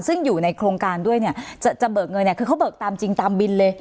ซึ่งอยู่ในโครงการด้วยเนี่ยจะเบิกเงินเนี่ยคือเขาเบิกตามจริงตามบินเลย